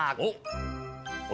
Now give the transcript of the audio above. お！